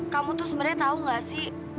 kamu tuh sebenernya tau gak sih